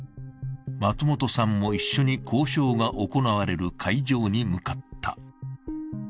松本さんも一緒に交渉が行われる会場に向かった。